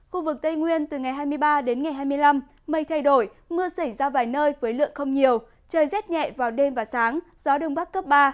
khu vực tây nguyên từ ngày hai mươi ba đến ngày hai mươi năm mây thay đổi mưa xảy ra vài nơi với lượng không nhiều trời rét nhẹ vào đêm và sáng gió đông bắc cấp ba